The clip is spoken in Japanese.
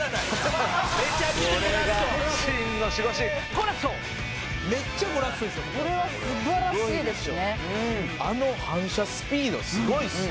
「これがこれは素晴らしいですね。